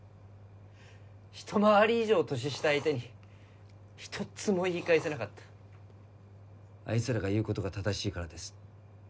一回り以上年下相手に一つも言い返せなかったあいつらが言うことが正しいからです